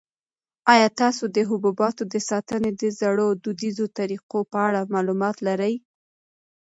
آیا تاسو د حبوباتو د ساتنې د زړو دودیزو طریقو په اړه معلومات لرئ؟